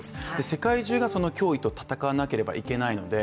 世界中がその脅威と戦わなければいけないので